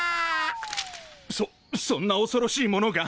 そそんなおそろしいものが？